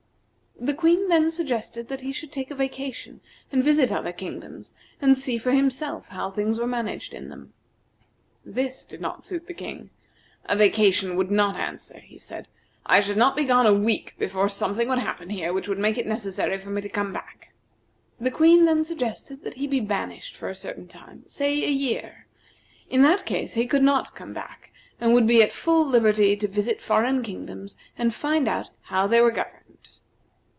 The Queen then suggested that he should take a vacation, and visit other kingdoms, and see for himself how things were managed in them. This did not suit the king. "A vacation would not answer," he said. "I should not be gone a week before something would happen here which would make it necessary for me to come back." The Queen then suggested that he be banished for a certain time, say a year. In that case he could not come back, and would be at full liberty to visit foreign kingdoms, and find out how they were governed.